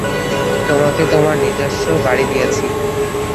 তোমাকে তোমার নিজস্ব বাড়ি দিয়েছি।